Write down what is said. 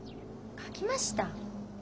書きました。